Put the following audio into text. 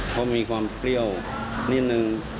เขามีความเปรี้ยวนะนะนิดนึง